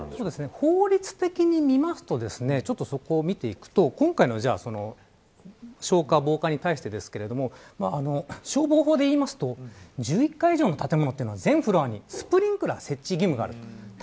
法律的に見ますと今回の消火、防火に対してですけれども消防法で言いますと１１階以上の建物は全フロアにスプリンクラーの設置義務があります。